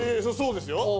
そうですよ。